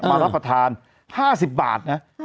มารับประทาน๕๐บาทนะ